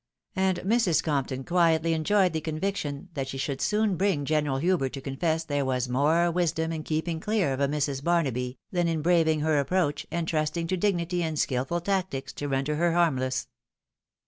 And Mrs. Compton quietly enjoyed the conviction that she should soon bring General Hubert to confess there was more wisdom in keeping clear of a Mrs. Barnaby, than in braving her approach, and trusting to dignity and skiiful tactics to render her harmless.